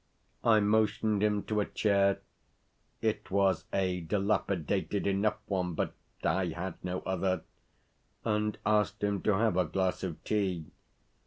I motioned him to a chair (it was a dilapidated enough one, but I had no other), and asked him to have a glass of tea.